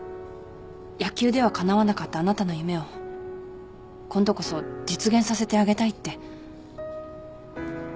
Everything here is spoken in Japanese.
野球ではかなわなかったあなたの夢を今度こそ実現させてあげたいって。